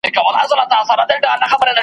وڅڅوي اوښکي اور تر تلي کړي .